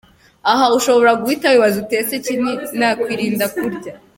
Aha ushobora guhita wibaza uti ese ni iki nakwirinda kurya?.